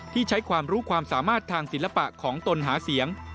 ที่ใช้ความรู้ความสามารถทางศิลปะของตนหาเสียง